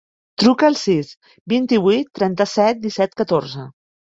Truca al sis, vint-i-vuit, trenta-set, disset, catorze.